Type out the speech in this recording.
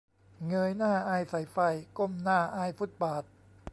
"เงยหน้าอายสายไฟ ก้มหน้าอายฟุตบาท"